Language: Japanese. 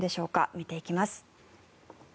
見ていきます。